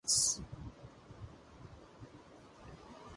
While being carried to the rear he was struck by British artillery shells.